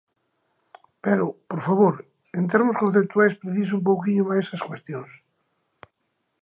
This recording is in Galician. Pero, por favor, en termos conceptuais precise un pouquiño máis as cuestións.